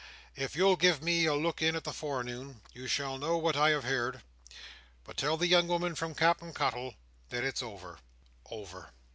If you'll give me a look in in the forenoon, you shall know what I have heerd; but tell the young woman from Cap'en Cuttle, that it's over. Over!"